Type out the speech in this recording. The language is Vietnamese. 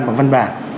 bằng văn bản